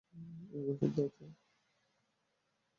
ওকে phone দেও তো।